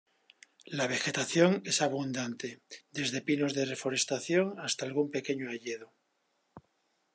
La vegetación es abundante, desde pinos de reforestación, hasta algún pequeño hayedo.